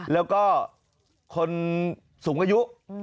แล้วก็คนสูงอายุ